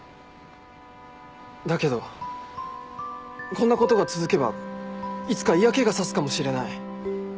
だけどこんなことが続けばいつか嫌気が差すかもしれない。